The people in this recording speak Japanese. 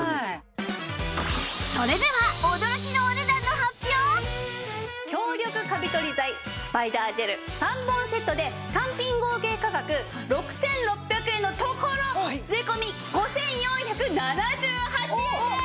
それでは強力カビ取り剤スパイダージェル３本セットで単品合計価格６６００円のところ税込５４７８円です！